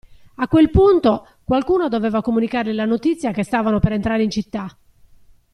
A quel punto, qualcuno doveva comunicargli la notizia che stavano per entrare in città.